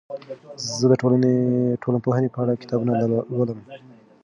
زه د ټولنپوهنې په اړه کتابونه لولم.